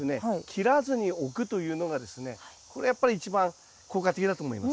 切らずにおくというのがですねこれやっぱり一番効果的だと思います。